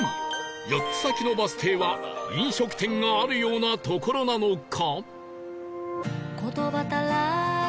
４つ先のバス停は飲食店があるような所なのか？